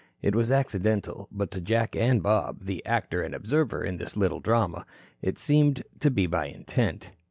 It was accidental, but to Jack and Bob the actor and the observer in this little drama it seemed to be by intent.